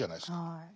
はい。